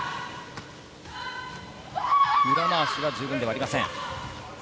裏回しは十分ではありません。